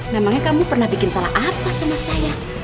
memangnya kamu pernah bikin salah apa sama saya